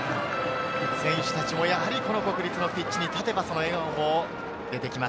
選手たちもやはりこの国立のピッチに立てば、笑顔も出てきます。